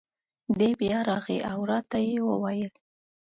دی بیا راغی او را ته یې وویل: